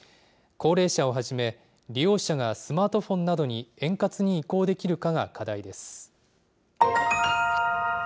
高齢者をはじめ、利用者がスマートフォンなどに円滑に移行できるかが課題です。